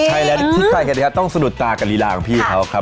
ใช่แล้วที่ใครกันดีครับต้องสะดุดตากับลีลาของพี่เขาครับ